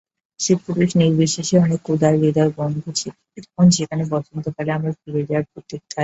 স্ত্রী-পুরুষ-নির্বিশেষে অনেক উদারহৃদয় বন্ধু এখন সেখানে বসন্তকালে আমার ফিরে যাওয়ার প্রতীক্ষায় আছে।